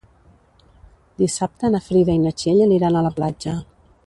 Dissabte na Frida i na Txell aniran a la platja.